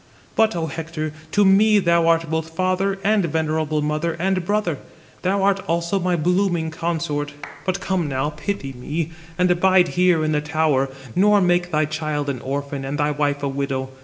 But, Ο Hector, to me thou art both father and venerable mother and brother; thou art also my blooming consort. But come now, pity me, and abide here in the tower, nor make thy child an orphan and thy wife a widow.